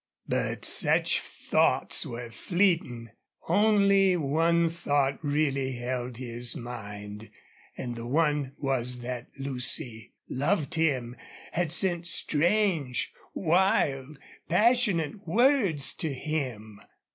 But such thoughts were fleeting; only one thought really held his mind and the one was that Lucy loved him, had sent strange, wild, passionate words to him.